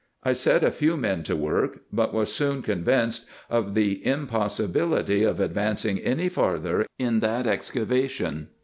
I set a few men to work, but was soon convinced of the impossibility of ad vancing any farther in that excavation.